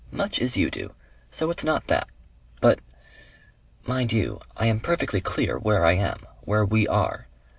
Much as you do. So it's not that. But ... Mind you, I am perfectly clear where I am. Where we are.